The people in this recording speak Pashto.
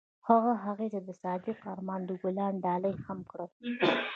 هغه هغې ته د صادق آرمان ګلان ډالۍ هم کړل.